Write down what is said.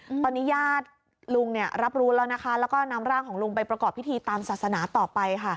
อืมตอนนี้ญาติลุงเนี่ยรับรู้แล้วนะคะแล้วก็นำร่างของลุงไปประกอบพิธีตามศาสนาต่อไปค่ะ